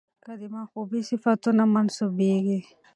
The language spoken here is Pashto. که د محبوبې صفتونه منسوبېږي،